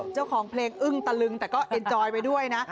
เจ้าของเพลงอึ้งตะลึงแต่ก็เอ็นจอยไปด้วยนะ